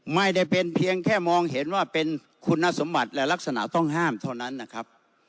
ไม่ได้เป็นเพียงแค่มองเห็นว่าเป็นคุณสมบัติและลักษณะต้องห้ามเท่านั้นนะครับ